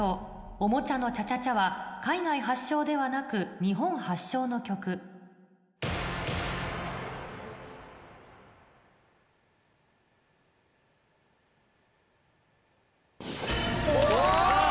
『おもちゃのチャチャチャ』は海外発祥ではなく日本発祥の曲お！